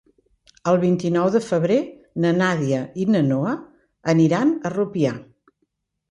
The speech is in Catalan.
El vint-i-nou de febrer na Nàdia i na Noa aniran a Rupià.